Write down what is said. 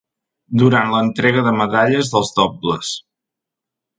Durant l’entrega de medalles dels dobles.